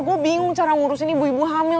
gue bingung cara ngurusin ibu ibu hamil